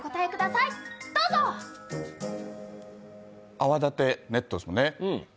泡立てネットですもんね。